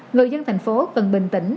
người dân thành phố cần bình tĩnh